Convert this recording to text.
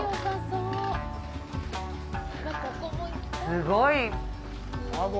すごい。